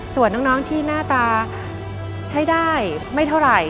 ส่วนน้องที่หน้าตาใช้ได้ไม่เท่าไหร่